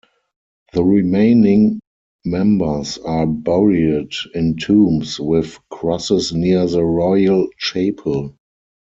The remaining members are buried in tombs with crosses near the Royal Chapel.